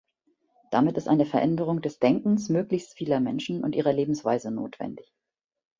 Damit ist eine Veränderung des Denkens möglichst vieler Menschen und ihrer Lebensweise notwendig.